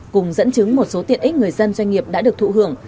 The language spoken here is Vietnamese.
cùng dẫn chứng một số tiện ích người dân doanh nghiệp đã được thụ hưởng